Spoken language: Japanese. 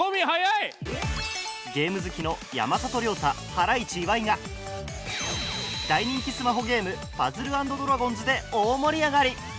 ゲーム好きの山里亮太ハライチ岩井が大人気スマホゲーム『パズル＆ドラゴンズ』で大盛り上がり！